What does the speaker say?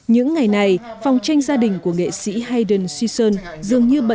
những ngày này phòng tranh gia đình của nghệ sĩ hayden sisson dường như bận rộn hơn